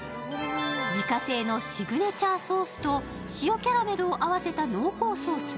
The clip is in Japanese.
自家製のシグネチャーソースと塩キャラメルを合わせた濃厚ソース。